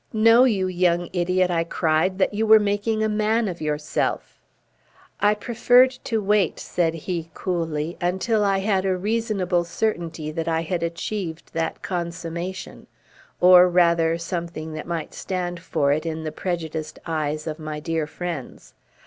"No, you young idiot!" I cried. "That you were making a man of yourself." "I preferred to wait," said he, coolly, "until I had a reasonable certainty that I had achieved that consummation or, rather, something that might stand for it in the prejudiced eyes of my dear friends.